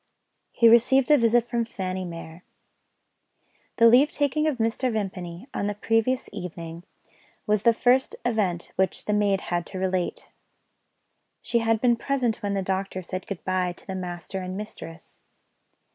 He received a visit from Fanny Mere. The leave taking of Mr. Vimpany, on the previous evening, was the first event which the maid had to relate. She had been present when the doctor said good bye to the master and mistress.